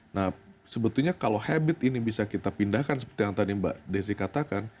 nah sebetulnya kalau habit ini bisa kita pindahkan seperti yang tadi mbak desi katakan